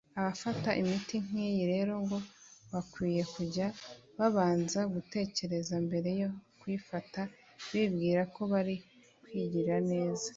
Abafata imiti nk’iyi rero ngo bakwiye kujya babanza gutekereza mbere yo kuyifata bibwira ko bari kwigirira neza